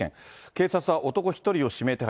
警察は男１人を指名手配。